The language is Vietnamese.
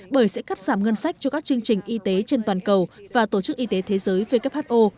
bởi sẽ cắt giảm ngân sách cho các chương trình y tế trên toàn cầu và tổ chức y tế thế giới who